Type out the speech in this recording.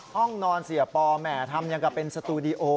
ห้องนอนเสียปอแหมทำอย่างกับเป็นสตูดิโอ